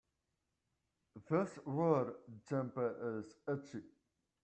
This wool jumper is itchy.